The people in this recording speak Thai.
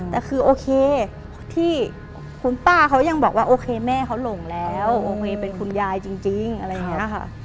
แต่คือโอเคที่คุณป้าเขายังบอกว่าโอเคแม่เขาหลงแล้วโอเคเป็นคุณยายจริงอะไรอย่างนี้ค่ะ